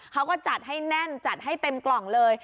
เขาก็จัดให้แน่นจัดให้เต็มกล่องเลย